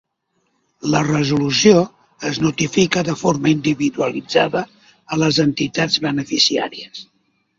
La resolució es notifica de forma individualitzada a les entitats beneficiàries.